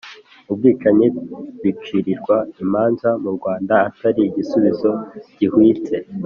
ubwicanyi bicirirwa imanza mu rwanda atari igisubizo gihwitse